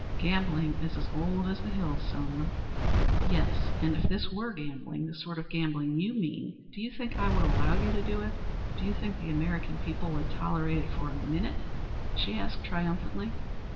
"Gambling is as old as the hills, Selma." "Yes. And if this were gambling the sort of gambling you mean, do you think I would allow you to do it? Do you think the American people would tolerate it for a minute?" she asked triumphantly.